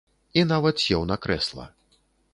І нават сеў на крэсла.